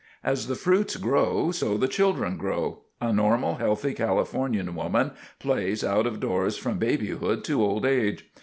As the fruits grow, so the children grow. A normal, healthy, Californian woman plays out of doors from babyhood to old age.